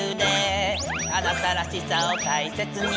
「あなたらしさをたいせつに」